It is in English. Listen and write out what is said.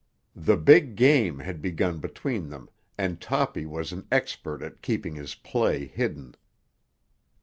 The Big Game had begun between them, and Toppy was an expert at keeping his play hidden.